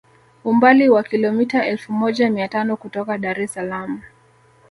Umbali wa kilometa elfu moja mia tano kutoka Dar es Salaam